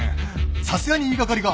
さすがに言い掛かりが。